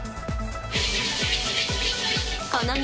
この道